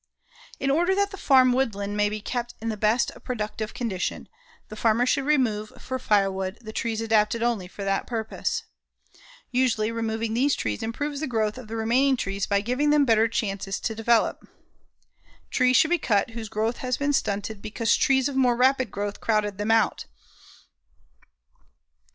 In order that the farm woodland may be kept in the best of productive condition, the farmer should remove for firewood the trees adapted only for that purpose. Usually, removing these trees improves the growth of the remaining trees by giving them better chances to develop. Trees should be cut whose growth has been stunted because trees of more rapid growth crowded them out.